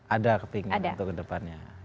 ada kepikiran untuk ke depannya